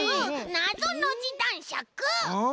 なぞノジだんしゃく！